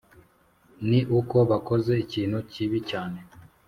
ni uko bakoze ikintu kibi cyane,